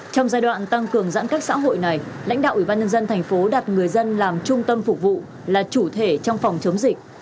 trong giai đoạn tăng cường giãn cách xã hội này lãnh đạo ủy ban nhân dân thành phố đặt người dân làm trung tâm phục vụ là chủ thể trong phòng chống dịch